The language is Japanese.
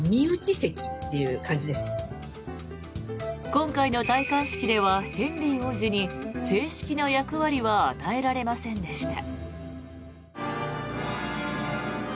今回の戴冠式ではヘンリー王子に正式な役割は与えられませんでした。